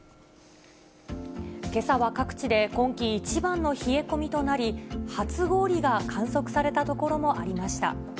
けさは各地で今季一番の冷え込みとなり、初氷が観測された所もありました。